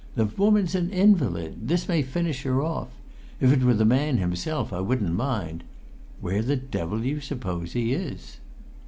The woman's an invalid; this may finish her off. If it were the man himself I wouldn't mind. Where the devil do you suppose he is?"